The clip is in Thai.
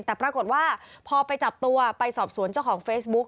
แต่ปรากฏว่าพอไปจับตัวไปสอบสวนเจ้าของเฟซบุ๊ก